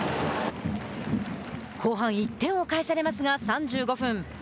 後半１点を返されますが３５分。